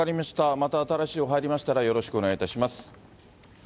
また新しい情報入りましたら、よろしくお願いいたします。